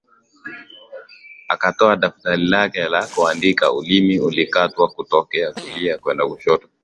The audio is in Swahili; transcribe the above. Akatoa daftari lake na kuandika ulimi ulikatwa kutokea kulia kwenda kushoto